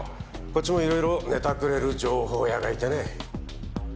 こっちもいろいろネタくれる情報屋がいてね。